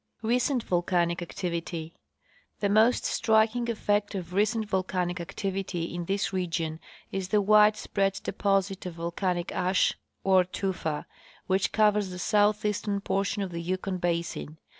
Recent volcanic Activity. The most striking effect of recent volcanic activity in this region is the wide spread deposit of volcanic ash, or tufa, which covers the southeastern portion of the Yukon basin.